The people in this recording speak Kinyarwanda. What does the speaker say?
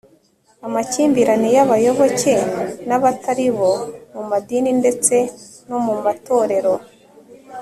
amakimbirane y'abayoboke n'abatari bo, mu madini ndetse no mu matorero